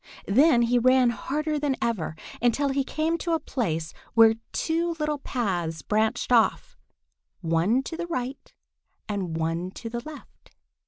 Then he ran harder than ever, until he came to a place where two little paths branched off, one to the right and one to the left.